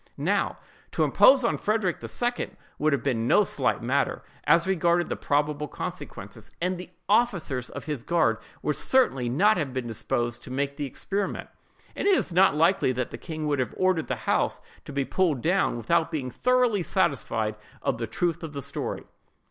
Now, to impose on Frederick II. would have been no slight matter, as regarded the probable consequences; and the officers of his guard would certainly not have been disposed to make the experiment; and it is not likely that the king would have ordered the house to be pulled down without being thoroughly satisfied of the truth of the story.